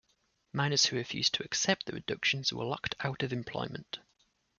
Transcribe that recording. Miners who refused to accept the reductions were locked out of employment.